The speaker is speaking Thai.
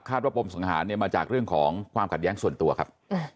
คาดว่าปมสงหารมาจากเรื่องของความกัดแย้งส่วนตัวครับ